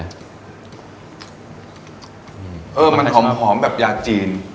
เฮิร์ดมันหอมแบบยาจีน